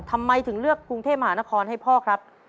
ทำไมถึงเลือกกรุงเทพมหานครให้พ่อครับ